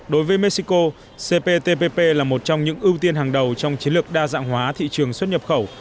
đối với mexico cptpp là một trong những ưu tiên hàng đầu trong chiến lược đa dạng hóa thị trường xuất nhập khẩu